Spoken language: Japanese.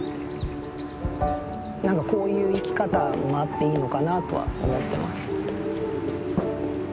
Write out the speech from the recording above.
なんかこういう生き方もあっていいのかなとは思ってます。